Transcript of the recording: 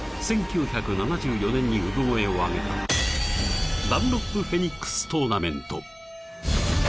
１９７４年に産声を上げたダンロップフェニックストーナメント。